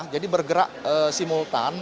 jadi bergerak simultan